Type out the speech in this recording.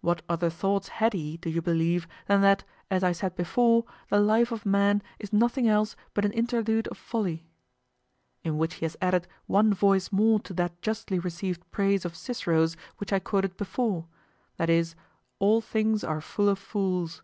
what other thoughts had he, do you believe, than that, as I said before, the life of man is nothing else but an interlude of folly? In which he has added one voice more to that justly received praise of Cicero's which I quoted before, viz., "All things are full of fools."